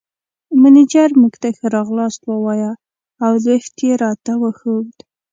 مېنېجر موږ ته ښه راغلاست ووایه او لېفټ یې راته وښود.